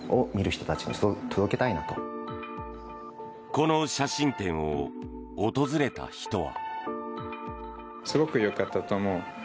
この写真展を訪れた人は。